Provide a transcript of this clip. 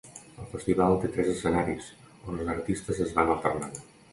El festival té tres escenaris, on els artistes es van alternant.